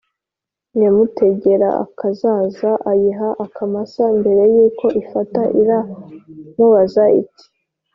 nyamutegerakazaza ayiha akamasa. mbere y'uko igafata, iramubaza iti: